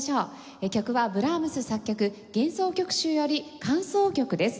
曲はブラームス作曲『幻想曲集』より「間奏曲」です。